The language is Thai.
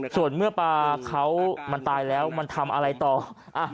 ส่วนเมื่อปลาเขามันตายแล้วมันทำอะไรต่อ